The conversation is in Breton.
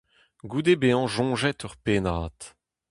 Goude bezañ soñjet ur pennad.